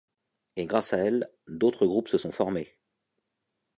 Et grâce à elles, d'autres groupes se sont formés.